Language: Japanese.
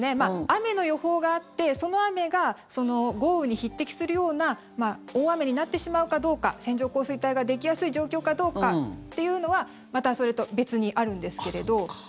雨の予報があってその雨が、豪雨に匹敵するような大雨になってしまうかどうか線状降水帯ができやすい状況かどうかっていうのはまたそれと別にあるんですけれど。